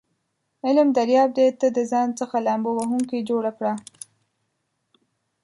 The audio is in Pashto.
علم دریاب دی ته دځان څخه لامبو وهونکی جوړ کړه س